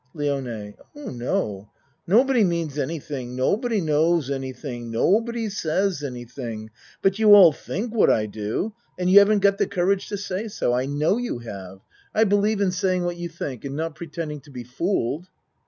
LIONE Oh, no. Nobody means anything no body knows anything nobody says anything but you all think what I do and you haven't got the courage to say so. I have you know. I believe in ACT II 65 saying what you think and not pretending to be fooled.